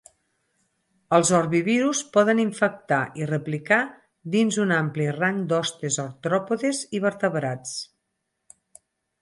Els Orbivirus poden infectar i replicar dins un ampli rang d'hostes artròpodes i vertebrats.